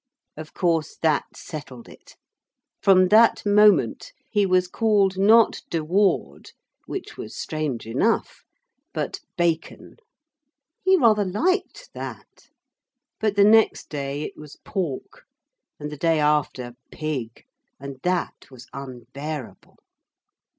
Of course that settled it. From that moment, he was called not de Ward, which was strange enough, but Bacon. He rather liked that. But the next day it was Pork, and the day after Pig, and that was unbearable.